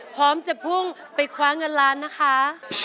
พร้อมจะพุ่งไปคว้าเงินล้านนะคะ